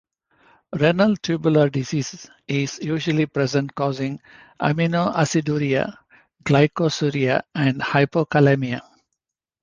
Renal tubular disease is usually present causing aminoaciduria, glycosuria and hypokalemia.